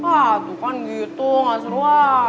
ah tuh kan gitu gak seru